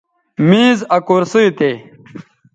میز آ کرسئ تھے